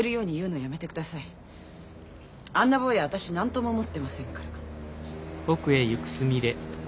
あんな坊や私何とも思ってませんから。